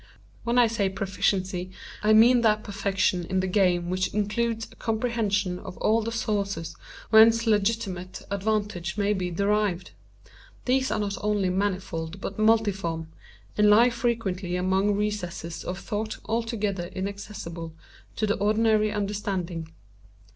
When I say proficiency, I mean that perfection in the game which includes a comprehension of all the sources whence legitimate advantage may be derived. These are not only manifold but multiform, and lie frequently among recesses of thought altogether inaccessible to the ordinary understanding.